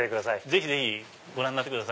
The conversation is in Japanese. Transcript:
ぜひぜひご覧になってください。